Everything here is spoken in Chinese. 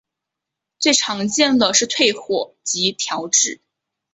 最常见的是退火及调质。